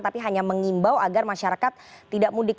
tapi hanya mengimbau agar masyarakat tidak mudik